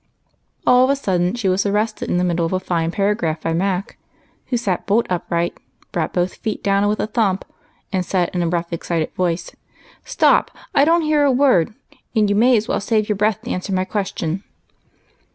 All of a sudden she was arrested in the middle of a fine paragraph by Mac, who sat bolt upright, brought both feet down with a thump, and said, in a rough, excited tone, —" Stop ! I don't hear a word, and you may as well save your breath to answer my question."